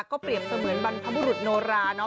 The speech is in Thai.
ก็เปรียบเสมือนบรรพบุรุษโนราเนาะ